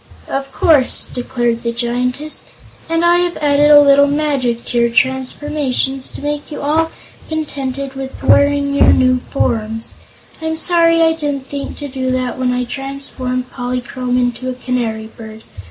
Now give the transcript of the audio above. "Of course," declared the Giantess; "and I have added a little magic to your transformations to make you all contented with wearing your new forms. I'm sorry I didn't think to do that when I transformed Polychrome into a Canary Bird.